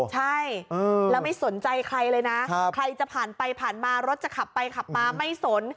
ใช่แล้วไม่สนใจใครเลยนะใครจะผ่านไปผ่านมารถจะขับไปขับมาไม่สน